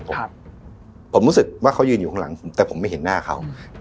ผมผมรู้สึกว่าเขายืนอยู่ข้างหลังผมแต่ผมไม่เห็นหน้าเขา